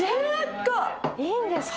いいんですか？